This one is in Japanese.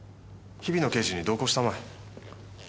日比野刑事に同行したまえ。